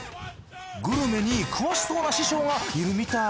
グルメに詳しそうな師匠がいるみたい。